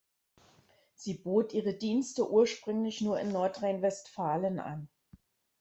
Sie bot ihre Dienste ursprünglich nur in Nordrhein-Westfalen an.